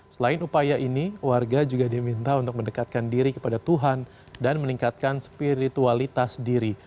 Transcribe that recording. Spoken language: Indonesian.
selain upaya ini warga juga diminta untuk mendekatkan diri kepada tuhan dan meningkatkan spiritualitas diri